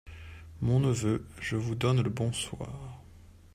Mon neveu, je vous donne le bonsoir.